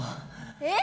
えっ！